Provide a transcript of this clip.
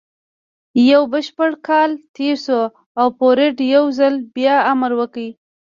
يو بشپړ کال تېر شو او فورډ يو ځل بيا امر وکړ.